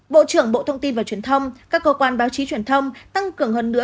bộ trưởng bộ thông tin và truyền thông các cơ quan báo chí truyền thông tăng cường hơn nữa